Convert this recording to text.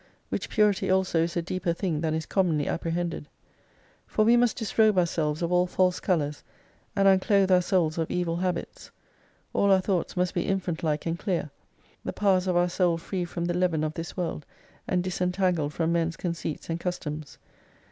Which purity also is a deeper thing than is commonly apprehended. For we must disrobe ourselves of all false colours, and unclothe our souls of evil habits ; all our thoughts must be infant like and clear ; the powers of our soul free from the leaven of this world, and disentangled from men's conceits and customs.